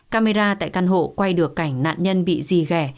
camera tại căn hộ quay được cảnh nạn nhân bị rì ghẻ